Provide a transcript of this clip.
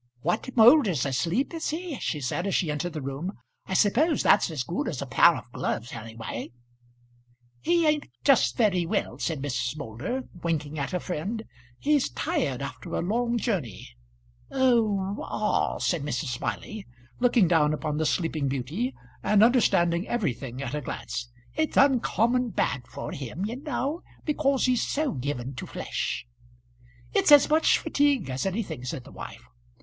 "What Moulder's asleep is he?" she said as she entered the room. "I suppose that's as good as a pair of gloves, any way." "He ain't just very well," said Mrs. Moulder, winking at her friend; "he's tired after a long journey." "Oh h! ah h!" said Mrs. Smiley, looking down upon the sleeping beauty, and understanding everything at a glance. "It's uncommon bad for him, you know, because he's so given to flesh." "It's as much fatigue as anything," said the wife.